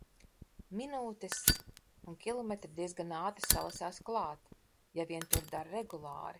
Minūtes un km diezgan ātri salasās klāt, ja vien to dara regulāri.